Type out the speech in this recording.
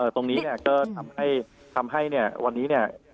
ตรงนี้ก็ทำให้ทำให้วันนี้นี้